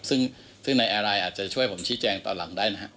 ซึ่งในแอร์ไลน์อาจจะช่วยผมชี้แจงตอนหลังได้นะครับ